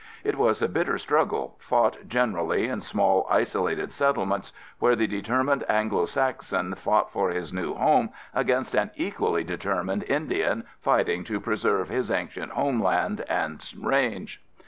It was a bitter struggle, fought generally in small isolated settlements where the determined Anglo Saxon fought for his new home against an equally determined Indian fighting to preserve his ancient homeland and range.